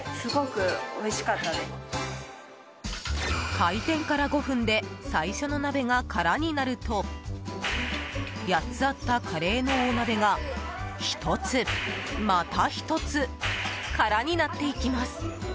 開店から５分で最初の鍋が空になると８つあったカレーの大鍋が１つ、また１つ空になっていきます。